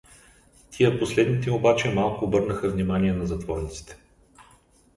Тия последните обаче малко обърнаха внимание на затворниците.